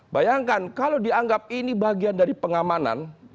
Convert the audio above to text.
bayangkan kalau dianggap ini bagian dari pengamanan